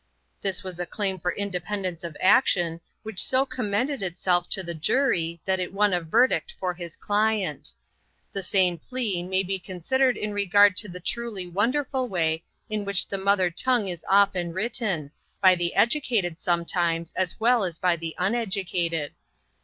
This was a claim for independence of action which so commended itself to the jury that it won a verdict for his client. The same plea may be considered in regard to the truly wonderful way in which the mother tongue is often written, by the educated sometimes as well as by the uneducated.